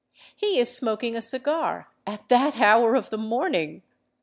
He is smoking a cigar—at that hour of the morning!